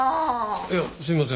いやすいません。